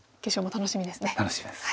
楽しみです。